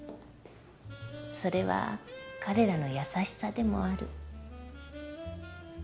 それは彼らの優しさでもある。